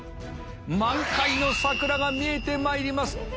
満開の桜が見えてまいります。